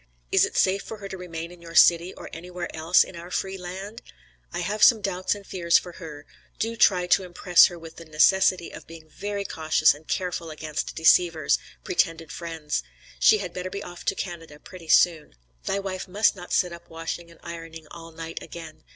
Is it safe for her to remain in your city or anywhere else in our "free land?" I have some doubts and fears for her; do try to impress her with the necessity of being very cautious and careful against deceivers, pretended friends. She had better be off to Canada pretty soon. Thy wife must not sit up washing and ironing all night again.